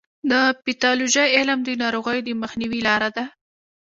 د پیتالوژي علم د ناروغیو د مخنیوي لاره ده.